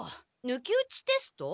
抜き打ちテスト？